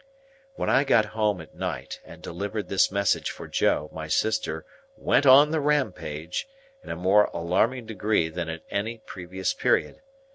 When I got home at night, and delivered this message for Joe, my sister "went on the Rampage," in a more alarming degree than at any previous period.